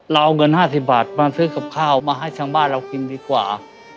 เราเอาเงิน๕๐บาทมาซื้อกับข้าวมาให้ทางบ้านเรากินดีกว่า